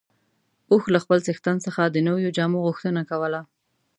اوښ له خپل څښتن څخه د نويو جامو غوښتنه کوله.